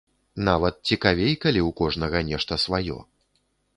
Нават цікавей, калі ў кожнага нешта сваё.